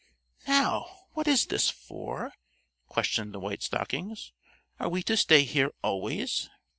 "Now, what is this for?" questioned the White Stockings. "Are we to stay here always?"